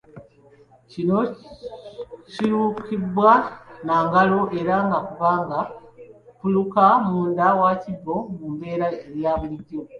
Kino kirukibwa na ngalo era nga kuba nga kuluka munda wa kibbo mu mbeera eyaabulijjo.